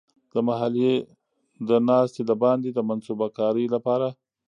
د محلي د ناستې د باندې د منصوبه کارۍ لپاره.